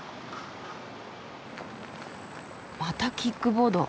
またキックボード。